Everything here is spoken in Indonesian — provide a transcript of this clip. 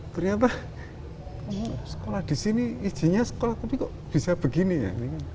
ternyata sekolah di sini izinnya sekolah tapi kok bisa begini ya